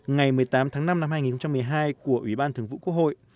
ngày một mươi tám tháng năm năm hai nghìn một mươi hai của ủy ban thường vụ quốc hội